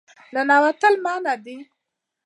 ننوتل منع دي